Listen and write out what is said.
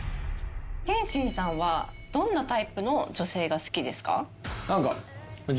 天心さんはどんなタイプの女性が好きですか？